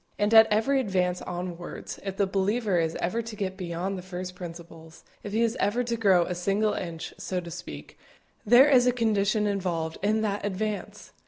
And at every advance onwards, if the believer is ever to get beyond the first principles, if he is ever to grow a single inch, so to speak, there is a condition involved in that advance!